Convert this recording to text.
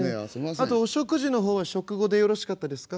「あとお食事の方は食後でよろしかったですか？」。